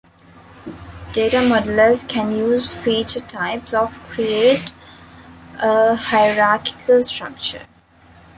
Data modelers can use "feature types" to create a hierarchical structure.